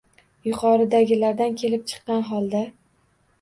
Yuqoridagilardan kelib chiqqan holda